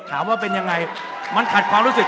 ถามว่าเป็นยังไงมันขัดความรู้สึก